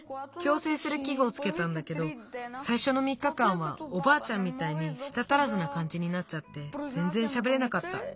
きょうせいするきぐをつけたんだけどさいしょの３日かんはおばあちゃんみたいにした足らずなかんじになっちゃってぜんぜんしゃべれなかった。